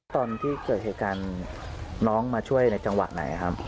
ตอนที่เกิดเหตุการณ์น้องมาช่วยในจังหวะไหนครับ